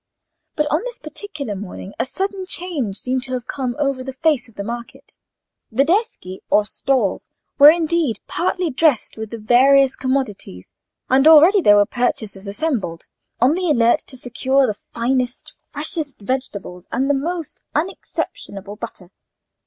But on this particular morning a sudden change seemed to have come over the face of the market. The deschi, or stalls, were indeed partly dressed with their various commodities, and already there were purchasers assembled, on the alert to secure the finest, freshest vegetables and the most unexceptionable butter.